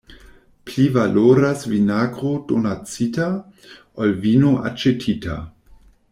Pli valoras vinagro donacita, ol vino aĉetita.